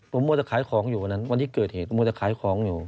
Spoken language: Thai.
ผมมัวแต่ขายของอยู่วันนั้นวันที่เกิดเหตุผมมัวแต่ขายของอยู่